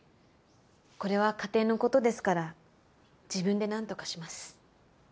これは家庭の事ですから自分でなんとかします。